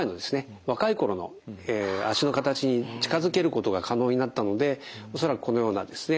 若い頃の脚の形に近づけることが可能になったので恐らくこのようなですね